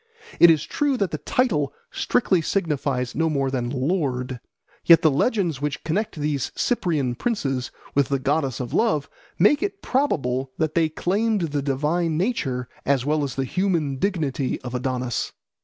It is true that the title strictly signified no more than "lord"; yet the legends which connect these Cyprian princes with the goddess of love make it probable that they claimed the divine nature as well as the human dignity of Adonis.